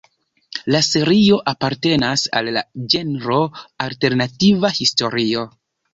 La serio apartenas al la ĝenro alternativa historio.